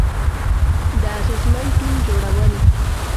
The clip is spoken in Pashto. د اغیزمن ټیم جوړول،